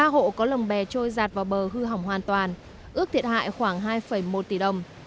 ba hộ có lồng bè trôi giạt vào bờ hư hỏng hoàn toàn ước thiệt hại khoảng hai một tỷ đồng